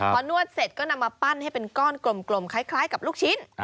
พอนวดเสร็จก็นำมาปั้นให้เป็นก้อนกลมคล้ายกับลูกชิ้น